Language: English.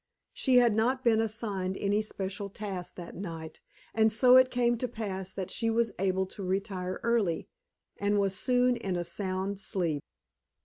She had not been assigned any special task that night, and so it came to pass that she was able to retire early, and was soon in a sound sleep.